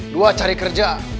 dua cari kerja